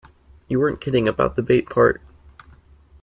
You weren't kidding about the bait part.